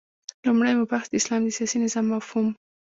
لومړی مبحث : د اسلام د سیاسی نظام مفهوم